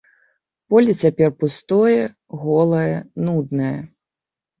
Поле цяпер пустое, голае, нуднае.